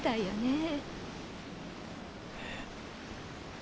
え。